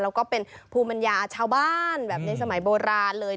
แล้วก็เป็นภูมิปัญญาชาวบ้านแบบในสมัยโบราณเลย